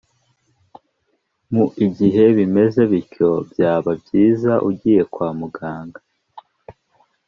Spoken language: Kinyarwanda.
mu gihe bimeze bityo byaba byiza ugiye kwa muganga